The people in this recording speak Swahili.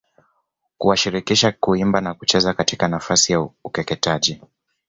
kuwashirikisha kuimba na kucheza katika nafasi ya ukeketaji